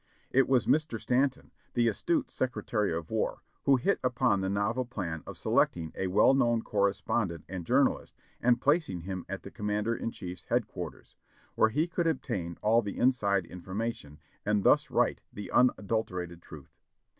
It was Mr. Stanton the astute Secretary of War, who hit upon tlie novel plan of selecting a well known correspondent and jour nalist and placing him at the Commander in Chief's headquarters, where he could obtain all the inside information, and thus write the unadulterated truth.